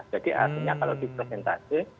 jadi artinya kalau dipresentasi